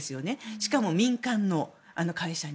しかも民間の会社に。